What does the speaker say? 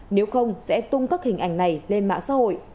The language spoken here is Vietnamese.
nếu không sẽ tung các hình ảnh này lên mạng xã hội